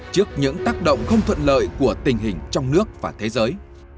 trước những tác động không thuận lợi của tình hình trong nước và thế giới